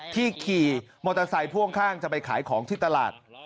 ขี่มอเตอร์ไซค์พ่วงข้างจะไปขายของที่ตลาด